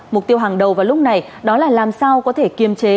mục tiêu hàng đầu vào lúc này đó là làm sao có thể kiềm chế